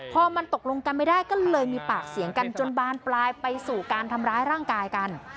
พอมันตกลงกันไม่ได้ก็เลยมีปากเสียงกันจนบานปลายไปสู่การทำร้ายร่างกายกัน